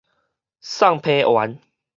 送批員